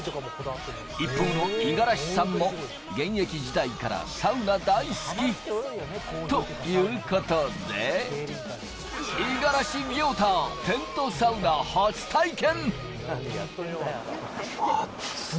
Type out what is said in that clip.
一方の五十嵐さんも現役時代からサウナ好き。ということで、五十嵐亮太、テントサウナ初体験。